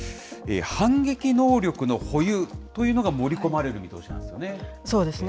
反撃能力の保有というのが盛り込まれる見通しなんですよね。